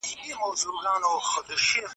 خو ملاتړ یې ځکه کوم چي